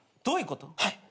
どういうこと？